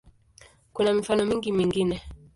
Kuna mifano mingi mingine.